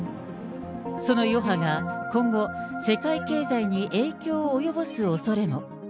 その余波が今後、世界経済に影響を及ぼすおそれも。